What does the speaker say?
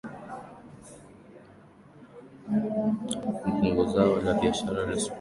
mpungaZao la biashara Usukumani ni pamba lakini hasa katika wilaya moja ya Maswa